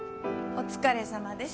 お疲れさまです。